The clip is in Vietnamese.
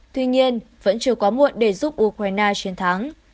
tuy nhiên vẫn chưa có muộn để giúp ukraine chiến thắng